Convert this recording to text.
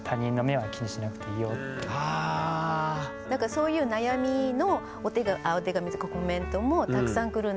そういう悩みのお手紙とかコメントもたくさん来るんですよ。